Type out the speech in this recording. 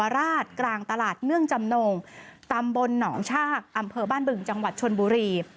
ราชกลางตลาดเนื่องจำนงตำบลหนองชากอำเภอบ้านบึงจังหวัดชนบุรี